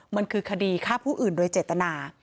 มันคือคดีฆ่าผู้อื่นโดยเจตนา